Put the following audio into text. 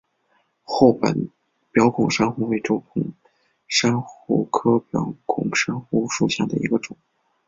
厚板表孔珊瑚为轴孔珊瑚科表孔珊瑚属下的一个种。